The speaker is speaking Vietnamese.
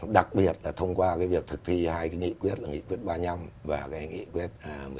đặc biệt là thông qua việc thực thi hai cái nghị quyết là nghị quyết ba mươi năm và cái nghị quyết một mươi sáu